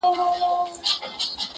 نه به په موړ سې نه به وتړې بارونه،